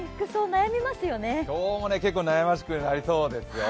今日も結構悩ましくなりそうですよ。